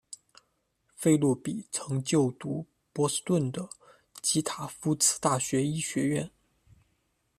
费洛比曾就读波士顿的及塔夫茨大学医学院。